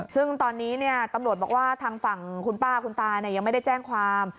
ซึ่งตอนนี้ตำรวจบอกว่าทางฝั่งคุณป้าคุณตายังไม่ได้แจ้งความ